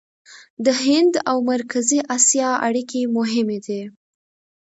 د هند او مرکزي اسیا اړیکې مهمې دي.